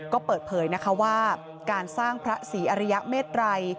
ก็เปิดเผยนะคะว่าการสร้างพระศรีอริยเมตรัย